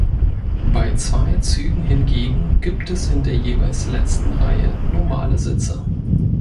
Bei zwei Zügen hingegen gibt es in der jeweils letzten Reihe normale Sitze.